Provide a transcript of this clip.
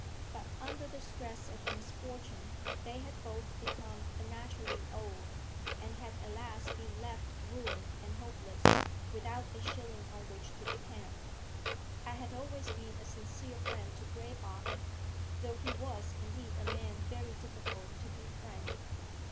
But under the stress of misfortune they had both become unnaturally old, and had at last been left ruined and hopeless, without a shilling on which to depend. I had always been a sincere friend to Graybody, though he was, indeed, a man very difficult to befriend.